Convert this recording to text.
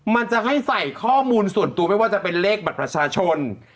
มันจะให้ใส่ข้อมูลส่วนตัวไม่ว่าจะเป็นเลขบัตรประชาชน